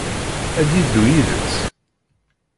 Ad d-yeddu yid-s?